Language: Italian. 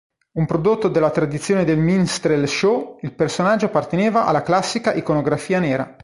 Un prodotto della tradizione del minstrel show, il personaggio apparteneva alla classica iconografia nera.